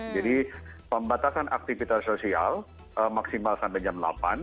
jadi pembatasan aktivitas sosial maksimal sampai jam delapan